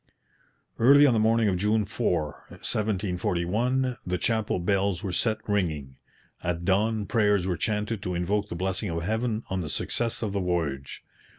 Early on the morning of June 4, 1741, the chapel bells were set ringing. At dawn prayers were chanted to invoke the blessing of Heaven on the success of the voyage.